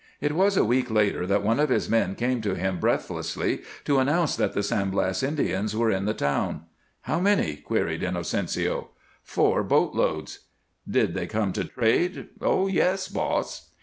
It was a week later that one of his men came to him breathlessly to announce that the San Blas Indians were in the town. "How many?" queried Inocencio. "Four boat loads." "Did they come to trade?" "Oh yes, boss."